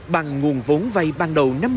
bằng nguồn vốn vây ban đồng